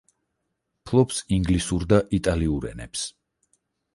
ფლობს ინგლისურ და იტალიურ ენებს.